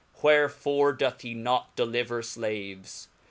Wherfore doth he not deliver flaves?